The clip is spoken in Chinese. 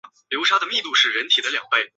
余下一个名额由热刺争夺。